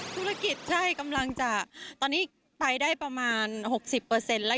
ธุรกิจใช่กำลังจะตอนนี้ไปได้ประมาณ๖๐แล้ว